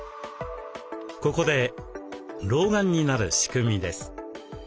ここで老眼になる仕組みです。